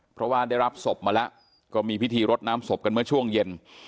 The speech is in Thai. เพราะว่าได้รับศพมาแล้วก็มีพิธีรดน้ำศพกันเมื่อช่วงเย็น